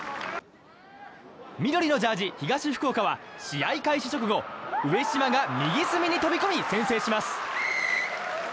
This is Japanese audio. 緑のジャージー、東福岡は試合開始直後上嶋が右隅に飛び込み先制します。